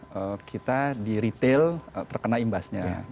karena kita di retail terkena imbasnya